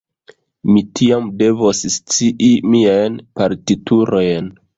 Mi tiam devos scii miajn partiturojn.